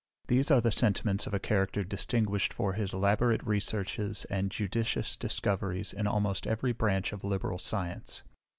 These are the sentiments of a character distinguished for his elaborate researches and judicious discoveries in almost every branch of liberal science.